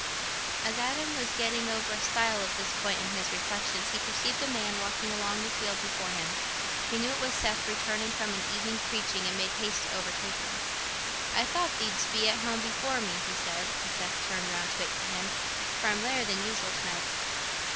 As Adam was getting over a stile at this point in his reflections, he perceived a man walking along the field before him. He knew it was Seth, returning from an evening preaching, and made haste to overtake him. "I thought thee'dst be at home before me," he said, as Seth turned round to wait for him, "for I'm later than usual to night."